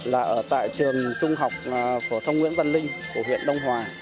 là ở tại trường trung học phổ thông nguyễn văn linh của huyện đông hòa